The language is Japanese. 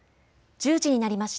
１０時になりました。